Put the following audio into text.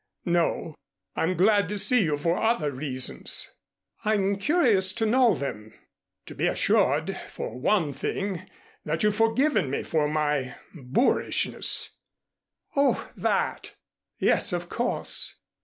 "No. I'm glad to see you for other reasons." "I'm curious to know them." "To be assured, for one thing, that you've forgiven me for my boorishness " "Oh, that! Yes. Of course."